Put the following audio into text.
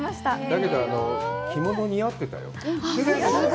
だけど、着物似合ってたよ。